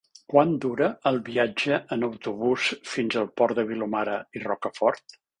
Quant dura el viatge en autobús fins al Pont de Vilomara i Rocafort?